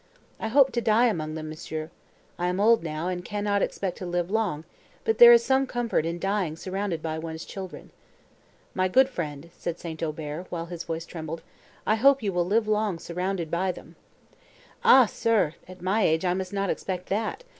I hope to die among them, monsieur. I am old now, and cannot expect to live long, but there is some comfort in dying surrounded by one's children." "My good friend," said St. Aubert, while his voice trembled, "I hope you will long live surrounded by them." "Ah, sir! at my age I must not expect that!"